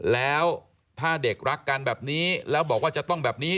แล้วถ้าเด็กรักกันแบบนี้แล้วบอกว่าจะต้องแบบนี้